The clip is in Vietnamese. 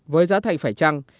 với giá thành phải trăng